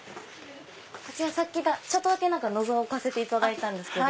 こちらさっきちょっとだけのぞかせていただいたんですけど。